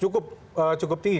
cukup cukup tinggi